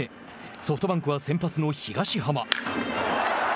ソフトバンクは先発の東浜。